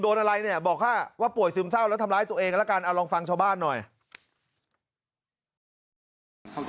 โดนอะไรเนี่ยบอกค่ะว่าป่วยซึมเศร้า